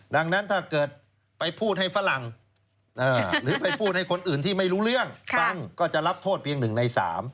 ดังนั้นถ้าเกิดไปพูดให้ฝรั่งหรือไปพูดให้คนอื่นที่ไม่รู้เรื่องฟังก็จะรับโทษเพียง๑ใน๓